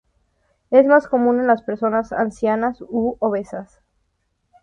Es más común en las personas ancianas u obesas.